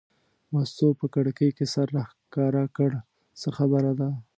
مستو په کړکۍ کې سر راښکاره کړ: څه خبره ده.